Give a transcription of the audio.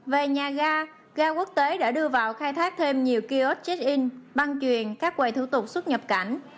về nhà ga quốc tế đã đưa vào khai thác thêm nhiều kiosk check in băng truyền các quầy thủ tục xuất nhập cảnh